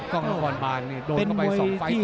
ก้องละปอนบานนี่โดนเขาไป๒ไฟล์ที่